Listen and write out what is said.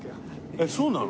えっそうなの？